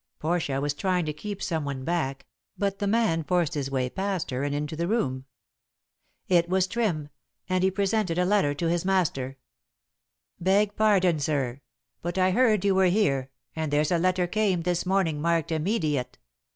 Portia was trying to keep some one back, but the man forced his way past her and into the room. It was Trim, and he presented a letter to his master. "Beg pardon, sir, but I heard you were here, and there's a letter came this morning marked 'Immediate.'